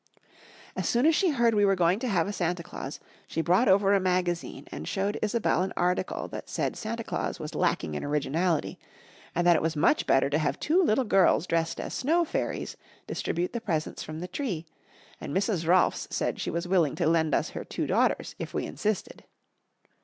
As soon as she heard we were going to have a Santa Claus, she brought over a magazine and showed Isobel an article that said Santa Claus was lacking in originality, and that it was much better to have two little girls dressed as snow fairies distribute the presents from the tree, and Mrs. Rolfs said she was willing to lend us her two daughters, if we insisted.